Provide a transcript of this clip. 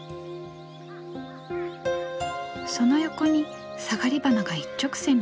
その横にサガリバナが一直線に並んでいる。